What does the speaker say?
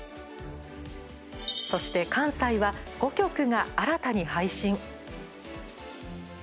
そして関西は、５局が新たに配信。